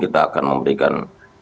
kita akan memberikan